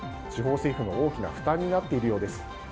地方政府の大きな負担になっているようです。